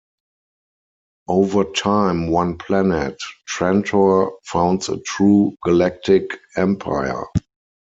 Over time one planet, Trantor, founds a true Galactic Empire.